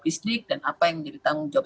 listrik dan apa yang menjadi tanggung jawab